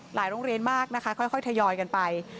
โรงเรียนมากนะคะค่อยทยอยกันไป